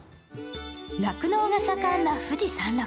酪農が盛んな富士山麓。